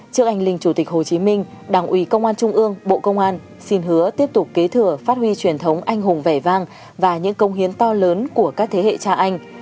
trước anh linh chủ tịch hồ chí minh đảng ủy công an trung ương bộ công an xin hứa tiếp tục kế thừa phát huy truyền thống anh hùng vẻ vang và những công hiến to lớn của các thế hệ cha anh